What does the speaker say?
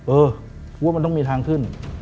เออเพราะว่ามันต้องมีทางขึ้น